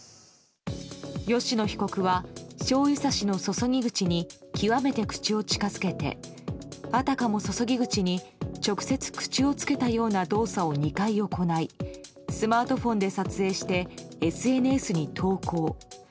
吉野被告はしょうゆさしの注ぎ口に極めて口を近づけてあたかも注ぎ口に直接口をつけたかのような動作を２回行いスマートフォンで撮影してＳＮＳに投稿。